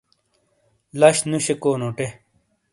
لش نوشیکو نوٹے۔